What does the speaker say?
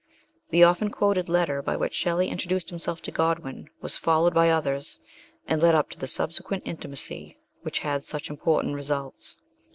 The often quoted letter by which Shelley introduced himself to Godwin 52 MRS. SHELLEY. was followed by others, and led up to the subsequent intimacy which had such important results.